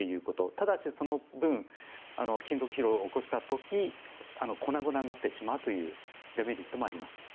ただしその分金属疲労を起こした時に粉々になってしまうというデメリットもあります。